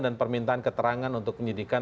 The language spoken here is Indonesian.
dan permintaan keterangan untuk penyelidikan